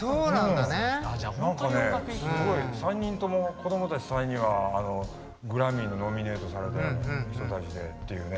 子どもたち３人はグラミーにノミネートされてる人たちでっていうね